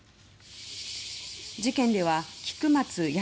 事件では菊松安